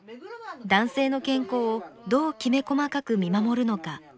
男性の健康をどうきめ細かく見守るのか